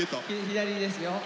左ですよ。